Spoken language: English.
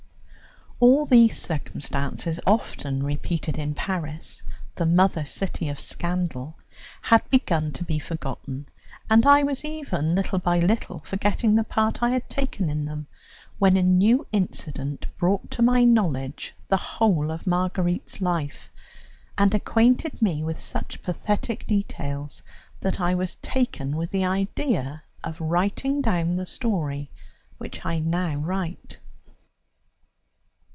All these circumstances, often repeated in Paris, the mother city of scandal, had begun to be forgotten, and I was even little by little forgetting the part I had taken in them, when a new incident brought to my knowledge the whole of Marguerite's life, and acquainted me with such pathetic details that I was taken with the idea of writing down the story which I now write.